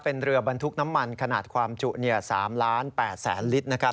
เป็นเรือบรรทุกน้ำมันขนาดความจุ๓๘๐๐๐ลิตรนะครับ